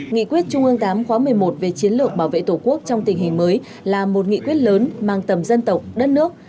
nghị quyết trung ương viii khóa một mươi một về chiến lược bảo vệ tổ quốc trong tình hình mới là một nghị quyết lớn mang tầm dân tộc đất nước